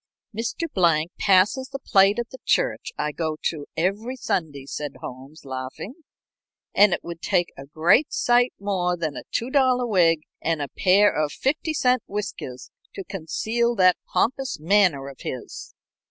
"Mr. Blank passes the plate at the church I go to every Sunday," said Holmes, laughing, "and it would take a great sight more than a two dollar wig and a pair of fifty cent whiskers to conceal that pompous manner of his."